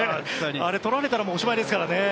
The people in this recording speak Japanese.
あれ、とられたらおしまいですからね。